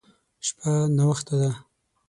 شپه ناوخته ده.